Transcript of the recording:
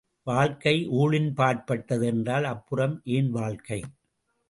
வாழ்க்கை ஊழின்பாற்பட்டது என்றால் அப்புறம் ஏன் வாழ்க்கை?